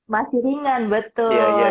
masih ringan betul gitu